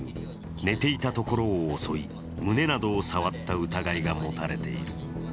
寝ていたところを襲い、胸などを触った疑いが持たれている。